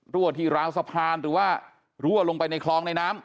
รั่วที่ราวสะพานหรือว่ารั่วลงไปในคลองในน้ำ